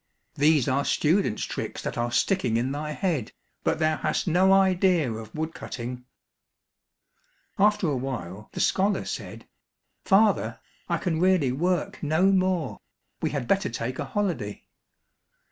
These are students' tricks that are sticking in thy head, but thou hast no idea of wood cutting." After a while the scholar said, "Father, I can really work no more, we had better take a holiday."